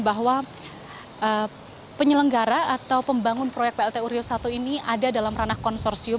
bahwa penyelenggara atau pembangun proyek pltu riau satu ini ada dalam ranah konsorsium